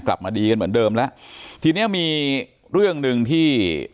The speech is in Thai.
กลับมาดีกันเหมือนเดิมแล้วทีเนี้ยมีเรื่องหนึ่งที่